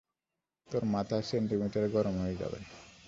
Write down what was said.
তোর মাথার সেন্টিমিটার গরম হয়ে যাবে।